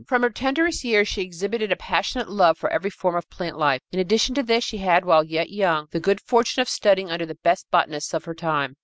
From her tenderest years she exhibited a passionate love for every form of plant life. In addition to this, she had, while yet young, the good fortune of studying under the best botanists of her time.